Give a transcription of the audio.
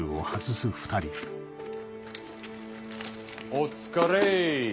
お疲れ。